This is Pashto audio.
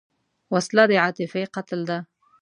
وسله د عاطفې قتل ده